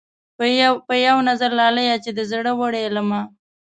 پۀ يو نظر لاليه چې دې زړۀ وړے له ما